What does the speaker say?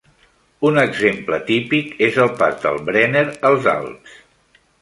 Un exemple típic és el pas del Brenner als Alps.